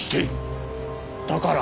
だから？